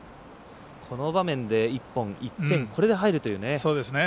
この場面で、１本、１点これで入るというね。